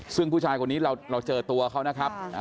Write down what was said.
ซึ่งผู้ชายคนนี้เราเจอตัวเขานะครับ